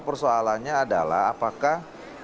persoalannya adalah apakah